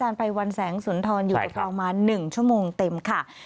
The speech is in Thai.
ภัยวันแสงสุนทรอยู่กับเรามา๑ชั่วโมงเต็มค่ะ